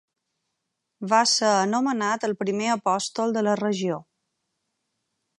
Va ser anomenat el primer apòstol de la regió.